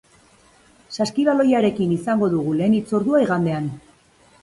Saskibaloiarekin izango dugu lehen hitzordua igandean.